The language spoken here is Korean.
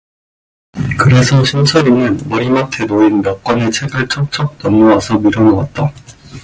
그래서 신철이는 머리맡에 놓인 몇 권의 책을 척척 덧놓아서 밀어 놓았다.